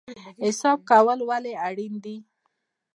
حساب ورکول ولې اړین دي؟